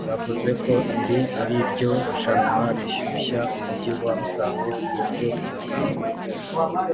bavuze ko iri ariryo rushanwa rishyushya umujyi wa Musanze ku buryo budasanzwe